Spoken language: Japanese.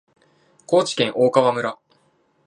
高知県大川村